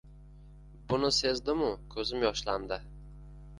Buni sezdim-u, ko`zim yoshlandi